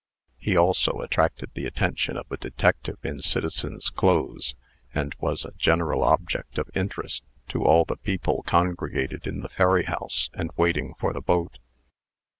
He also attracted the attention of a detective in citizen's clothes, and was a general object of interest to all the people congregated in the ferry house and waiting for the boat.